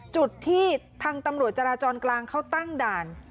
จุดที่ทางตำรวจจราจรกลางเขาตั้งด่าน